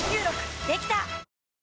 できた！